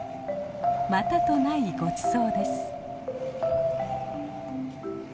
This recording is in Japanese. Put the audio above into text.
またとないごちそうです。